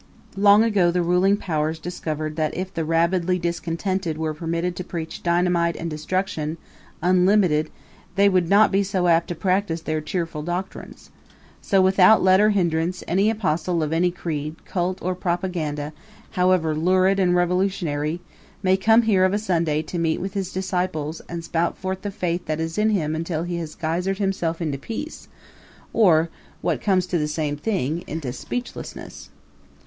Long ago the ruling powers discovered that if the rabidly discontented were permitted to preach dynamite and destruction unlimited they would not be so apt to practice their cheerful doctrines. So, without let or hindrance, any apostle of any creed, cult or propaganda, however lurid and revolutionary, may come here of a Sunday to meet with his disciples and spout forth the faith that is in him until he has geysered himself into peace, or, what comes to the same thing, into speechlessness.